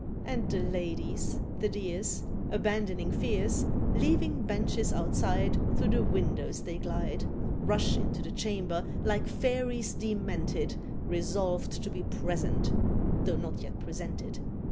And the ladies, the dears, Abandoning fears, Leaving benches outside Through the windows they glide, Rush into the chamber like fairies demented, Resolved to be present though not yet presented.